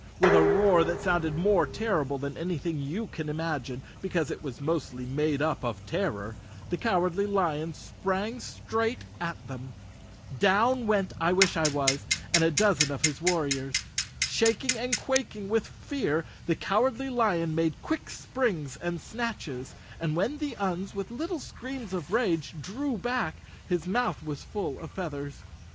With a roar that sounded more terrible than any¬ thing you could imagine, because it was mostly made up of terror, the Cowardly Lion sprang straight at them. Down went I wish I was and a dozen of his war¬ riors. Shaking and quaking with fear, the Cowardly Lion made quick springs and snatches, and when the Uns with little screams of rage, drew back, his mouth 153 The Cowardly Lion of Oz _ was full of feathers.